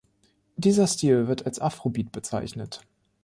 Dieser Stil wird als Afrobeat bezeichnet.